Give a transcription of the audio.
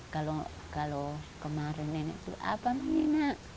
kalau kemarin nenek itu apa men nak